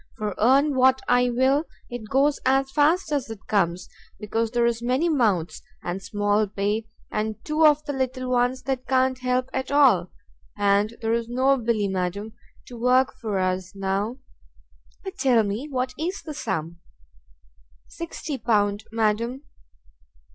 for earn what I will, it goes as fast as it cones, because there's many mouths, and small pay, and two of the little ones that can't help at all; and there's no Billy, madam, to work for us now!" "But tell me, what is the sum?" "Sixty pound, madam."